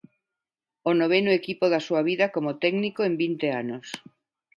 O noveno equipo da súa vida como técnico en vinte anos.